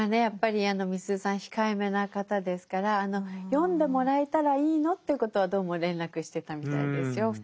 やっぱりみすゞさん控えめな方ですから読んでもらえたらいいのということはどうも連絡してたみたいですよ。